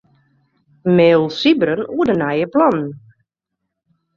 Mail Sybren oer de nije plannen.